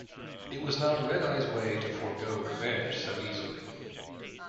It was not Red-Eye's way to forego revenge so easily.